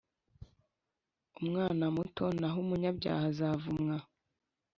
umwana muto naho umunyabyaha azavumwa